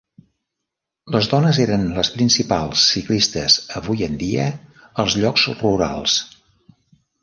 Les dones eren les principals ciclistes avui en dia als llocs rurals.